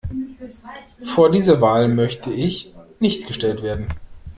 Vor diese Wahl möchte ich nicht gestellt werden.